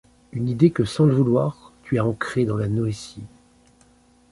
Une idée que, sans le vouloir, tu as ancrée dans la noétie.